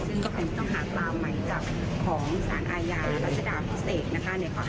ซึ่งก็เป็นต้องหาความหมายจากของสารอาญารัศดาพิเศษในความสัมพันธ์